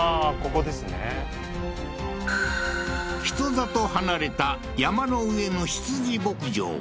人里離れた山の上の羊牧場